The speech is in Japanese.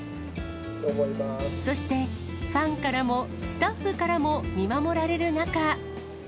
そして、ファンからもスタッフからも見守られる中。